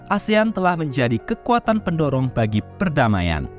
asean telah menjadi kekuatan pendorong bagi perdamaian